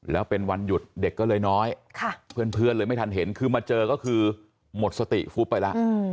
แล้วเป็นวันหยุดเด็กก็เลยน้อยเพื่อนเลยไม่ทันเห็นคือมาเจอก็คือหมดสติฟุบไปแล้ว